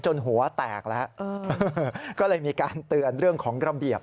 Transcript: หัวแตกแล้วก็เลยมีการเตือนเรื่องของระเบียบ